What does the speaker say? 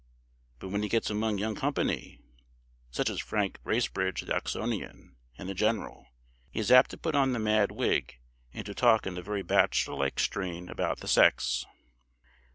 But when he gets among young company, such as Frank Bracebridge, the Oxonian, and the general, he is apt to put on the mad wig, and to talk in a very bachelor like strain about the sex.